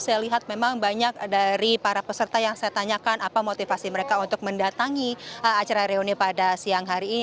saya lihat memang banyak dari para peserta yang saya tanyakan apa motivasi mereka untuk mendatangi acara reuni pada siang hari ini